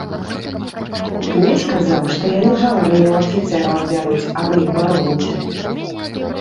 Князь казаў, што яны жалаванне ў афіцэраў адбяруць, а вы іх бароніце.